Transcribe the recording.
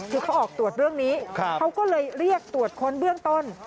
คือเขาออกตรวจเรื่องนี้เขาก็เลยเรียกตรวจค้นเบื้องต้น